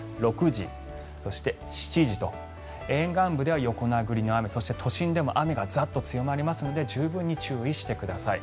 ６時、そして７時と沿岸部では横殴りの雨都心でも雨がザッと強まるので十分に注意してください。